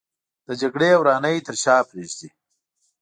د جګړې ورانۍ تر شا پرېږدي